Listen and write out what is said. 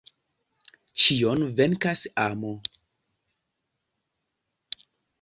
Ĉion venkas amo.